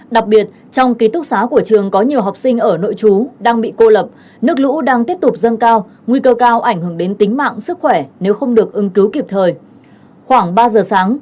đặc biệt trong ký túc xá của trường có nhiều học sinh ở nội trú đang bị cô lập nước lũ đang tiếp tục dâng cao nguy cơ cao ảnh hưởng đến tính mạng sức khỏe nếu không được ứng cứu kịp thời